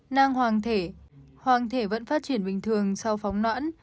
nang hoàng thể hoàng thể vẫn phát triển bình thường sau phóng nãn